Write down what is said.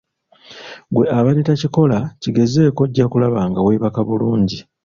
Gwe abadde takikola kigezeeko ojja kulaba nga weebaka bulungi